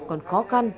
còn khó khăn